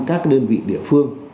các cái đơn vị địa phương